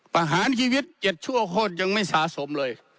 ประหารชีวิต๗ชั่วโคตรยังไม่สะสมเลย